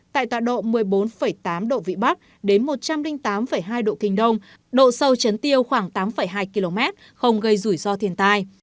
tại tọa độ một mươi bốn tám độ vĩ bắc đến một trăm linh tám hai độ kinh đông độ sâu chấn tiêu khoảng tám hai km không gây rủi ro thiên tai